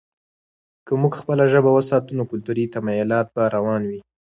که موږ خپله ژبه وساتو، نو کلتوري تمایلات به روان وي.